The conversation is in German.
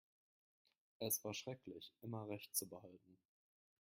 Es war schrecklich, immer Recht zu behalten.